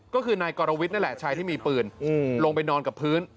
ก็คือนายกรวิทย์นั่นแหละชายที่มีปืนลงไปนอนกับพื้น